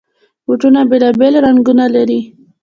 بوټونه بېلابېل رنګونه لري.